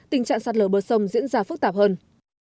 tình trạng sạt lở bờ sông diễn ra phức tạp hơn